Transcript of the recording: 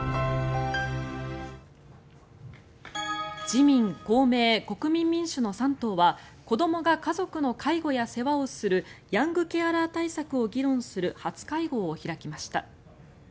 自民、公明、国民民主の３党は子どもが家族の介護や世話をするヤングケアラー対策を議論する初会合を開きました。